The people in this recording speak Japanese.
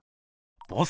ボス